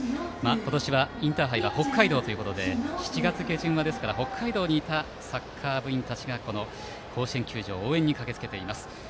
今年はインターハイは北海道ということで７月下旬は北海道にいたサッカー部員たちが甲子園球場に応援に駆けつけています。